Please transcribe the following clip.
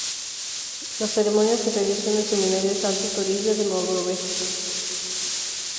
La ceremonia se realizó en el seminario Santo Toribio de Mogrovejo.